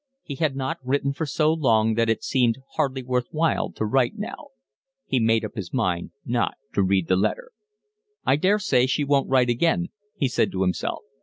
He had not written for so long that it seemed hardly worth while to write now. He made up his mind not to read the letter. "I daresay she won't write again," he said to himself.